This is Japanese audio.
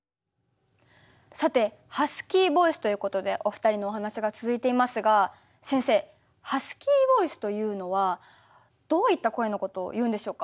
さてハスキーボイスということでお二人のお話が続いていますが先生ハスキーボイスというのはどういった声のことをいうんでしょうか？